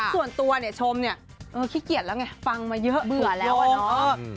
ส่วนตัวเนี่ยชมเนี่ยเออขี้เกียจแล้วไงฟังมาเยอะเบื่อแล้วอะเนาะ